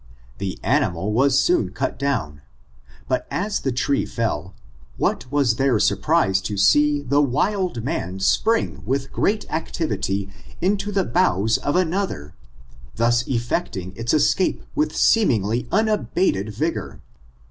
The animal was soon cut down, but as the tree fell, what was their surprise to see the wild man spring with great actiT* ity into the boughs of another, thus effecting its escape with seemingly unabated vigor.